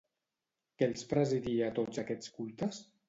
Què els presidia a tots aquests cultes?